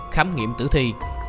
khám nghiệm tử thi